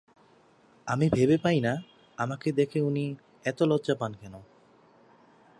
আমি ভেবে পাই না আমাকে দেখে উনি এত লজ্জা পান কেন।